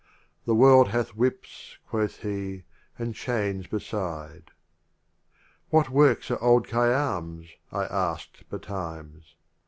"The world hath whips, quoth he, "and chains beside. "What works are old Khayyam* s? I asked betimes.